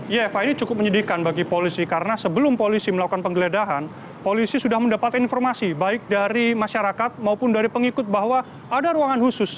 ya eva ini cukup menyedihkan bagi polisi karena sebelum polisi melakukan penggeledahan polisi sudah mendapatkan informasi baik dari masyarakat maupun dari pengikut bahwa ada ruangan khusus